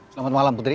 selamat malam putri